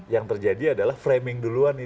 yang terjadi adalah framing duluan nih